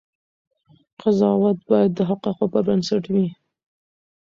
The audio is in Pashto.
قضاوت باید د حقایقو پر بنسټ وي.